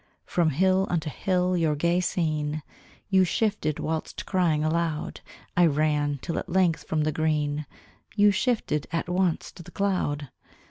From hill unto hill your gay scene You shifted whilst crying aloud, I ran, till at length from the green, You shifted, at once to the cloud!